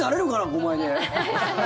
５枚で。